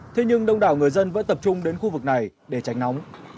thế nhưng đông đảo người dân vẫn tập trung đến khu vực này để tránh nóng